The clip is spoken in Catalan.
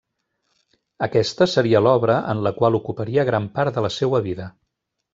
Aquesta seria l'obra en la qual ocuparia gran part de la seua vida.